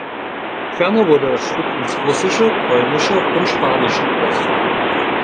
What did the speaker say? Ferner wurde das Stück ins Russische, Polnische und Spanische übertragen.